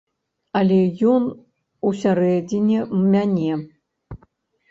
Але ён усярэдзіне мяне.